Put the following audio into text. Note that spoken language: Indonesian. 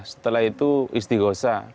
setelah itu istighosa